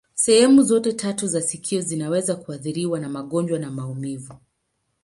Sehemu zote tatu za sikio zinaweza kuathiriwa na magonjwa na maumivu.